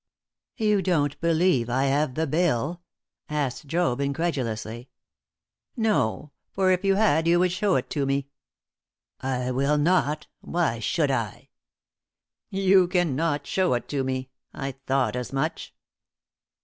"You don't believe I have the bill?" asked Job, incredulously. "No; for if you had you would shew it to me." "I will not. Why should I?" "You cannot shew it to me! I thought as much."